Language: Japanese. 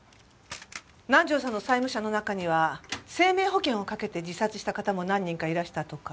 南条さんの債務者の中には生命保険をかけて自殺した方も何人かいらしたとか。